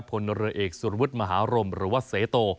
พรเอกสุรวจมหารมหรือว่าเศษโต